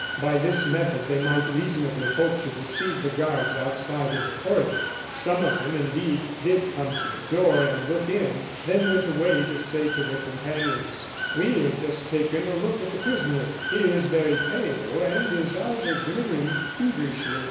By this method they might reasonably hope to deceive the guards outside in the corridor. Some of them, indeed, did come to the door and look in, then went away to say to their companions: "We have just taken a look at the prisoner. He is very pale, and his eyes are glittering feverishly.